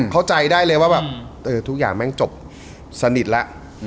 เข้าใจได้เลยว่าแบบทุกอย่างแม่งจบสนิทแล้ว